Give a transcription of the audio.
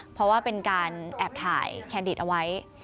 เพราะว่าเป็นการแอบถ่ายแคนดิตเอาไว้